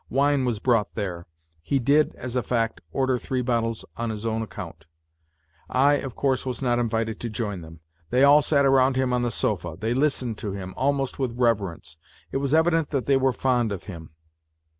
Wine was brought there. He did, as a fact, order three bottles on his own account. I, of course, was not invited to join them. They all sat round him on the sofa. They listened to him, almost with reverence. It was evident that they were fond of him.